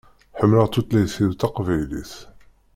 Ḥemmleɣ tutlayt-iw taqbaylit.